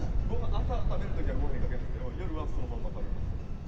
朝食べる時はご飯にかけますけど、夜はそのまんま食べます。